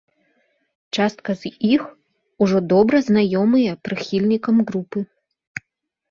Частка з іх ужо добра знаёмыя прыхільнікам групы.